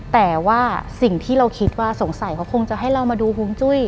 แต่ว่าสิ่งที่เราคิดว่าสงสัยเขาคงจะให้เรามาดูฮวงจุ้ย